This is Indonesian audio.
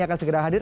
akan segera hadir